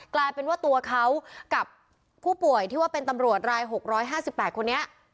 กลายเป็นว่าตัวเขากับผู้ป่วยที่ว่าเป็นตำรวจราย๖๕๘คนนี้